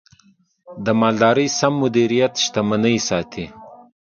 د مالدارۍ سمه مدیریت، شتمني ساتي.